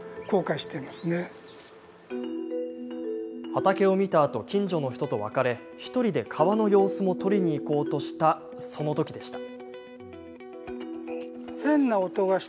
畑を見たあと、近所の人と別れ１人で川の様子も撮りに行こうとしたそのときでした。